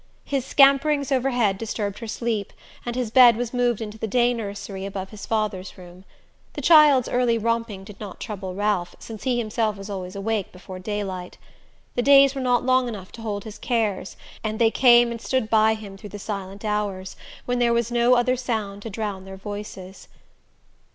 His scamperings overhead disturbed her sleep, and his bed was moved into the day nursery, above his father's room. The child's early romping did not trouble Ralph, since he himself was always awake before daylight. The days were not long enough to hold his cares, and they came and stood by him through the silent hours, when there was no other sound to drown their voices.